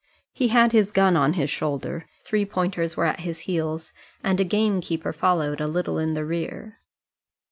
He had his gun on his shoulder, three pointers were at his heels, and a gamekeeper followed a little in the rear.